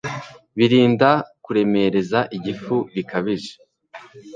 birinda kuremereza igifu bikabije